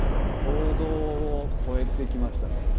想像を超えてきましたね。